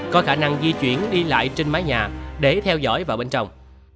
có khả năng di chuyển đi lại trên mái nhà để theo dõi vào bên trong